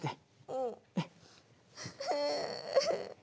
うん。